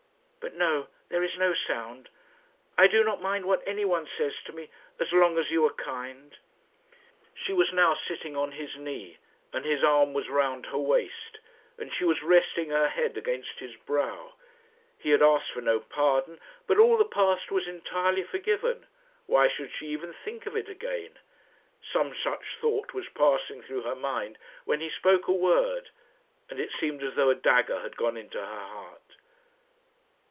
But no; there is no sound. I do not mind what anyone says to me, as long as you are kind." She was now sitting on his knee, and his arm was round her waist, and she was resting her head against his brow; he had asked for no pardon, but all the past was entirely forgiven; why should she even think of it again? Some such thought was passing through her mind, when he spoke a word, and it seemed as though a dagger had gone into her heart.